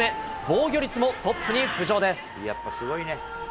防御率もトップに浮上です。